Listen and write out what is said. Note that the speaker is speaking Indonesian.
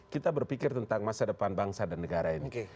kita berpikir tentang masa depan bangsa dan negara ini